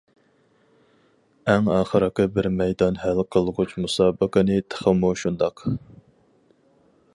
ئەڭ ئاخىرقى بىر مەيدان ھەل قىلغۇچ مۇسابىقىنى تېخىمۇ شۇنداق.